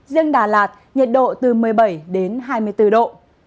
riêng đà lạt nhiệt độ từ một mươi bảy đến hai mươi bốn độ